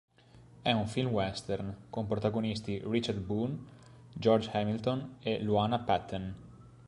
È un film western con protagonisti Richard Boone, George Hamilton e Luana Patten.